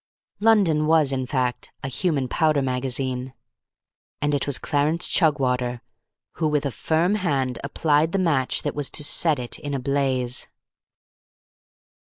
London was, in fact, a human powder magazine. And it was Clarence Chugwater who with a firm hand applied the match that was to set it in a blaze.